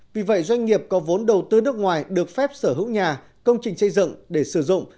vì vậy doanh nghiệp có vốn đầu tư nước ngoài được phép sở hữu nhà công trình xây dựng để sử dụng